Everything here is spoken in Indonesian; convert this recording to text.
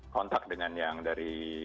kontakt dengan yang dari